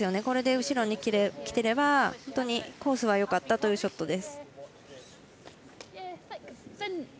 これで後ろに来ていれば本当にコースはよかったというショットです。